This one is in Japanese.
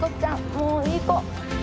もういい子。